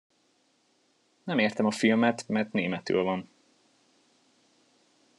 Nem értem a filmet, mert németül van.